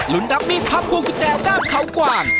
ดับมีดพับพวงกุญแจด้ามเขากวาง